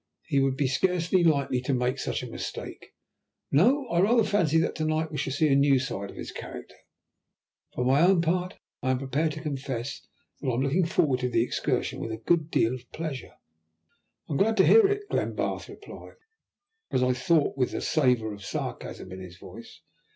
He would be scarcely likely to make such a mistake. No, I rather fancy that to night we shall see a new side of his character. For my own part I am prepared to confess that I am looking forward to the excursion with a good deal of pleasure." "I am glad to hear it," Glenbarth replied, as I thought with a savour of sarcasm in his voice.